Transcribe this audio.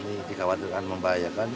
itu akan membahayakan